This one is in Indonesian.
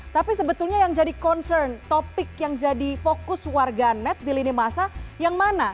tapi sebetulnya yang jadi concern topik yang jadi fokus warga net di lini masa yang mana